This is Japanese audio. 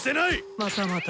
またまた。